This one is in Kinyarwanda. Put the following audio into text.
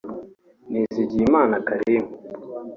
Nizigiyimana Kharim